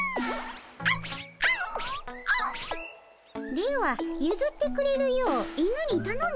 ではゆずってくれるよう犬にたのんでみたらどうかの？